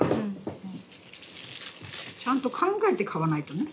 ちゃんと考えて買わないとね。